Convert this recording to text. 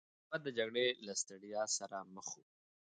حکومت د جګړې له ستړيا سره مخ و.